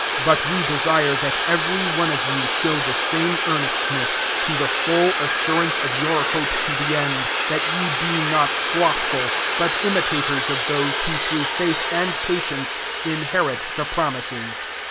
1 1 But te desire that every one of you how the same earnestness, to he full assurance of your hope b the end : 12 that ye be not lothAil, but imitators of those mo through faith and patience bherit the promises.